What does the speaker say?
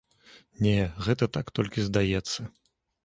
Не, гэта так, толькі здаецца.